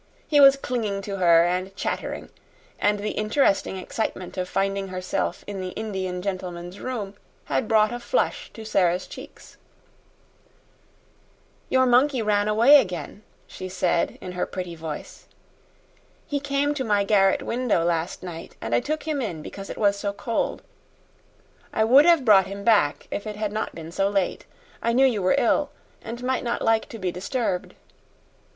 He was clinging to her and chattering, and the interesting excitement of finding herself in the Indian gentleman's room had brought a flush to Sara's cheeks. "Your monkey ran away again," she said, in her pretty voice. "He came to my garret window last night, and I took him in because it was so cold. I would have brought him back if it had not been so late. I knew you were ill and might not like to be disturbed."